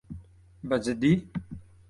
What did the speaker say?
بەجددی؟